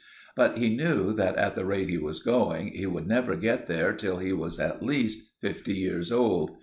But he knew that at the rate he was going, he would never get there till he was at least fifty years old.